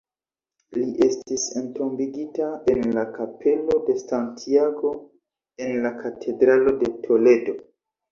Li estis entombigita en la kapelo de Santiago, en la katedralo de Toledo.